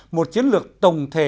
một chiến lược tổng thể